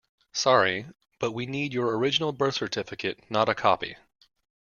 Sorry, but we need your original birth certificate, not a copy.